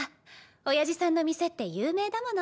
おやじさんの店って有名だもの。